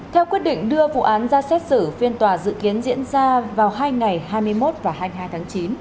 theo quyết định đưa vụ án ra xét xử phiên tòa dự kiến diễn ra vào hai ngày hai mươi một và hai mươi hai tháng chín